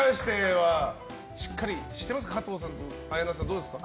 どうですか？